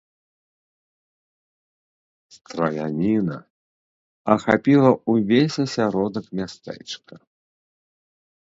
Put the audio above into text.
Страляніна ахапіла ўвесь асяродак мястэчка.